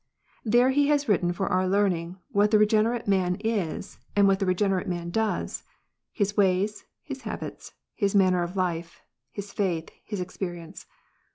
There he has written for our learning what the regenerate man is, and what the regenerate man does, his ways, his habits, his manner of life, his faith, his experience.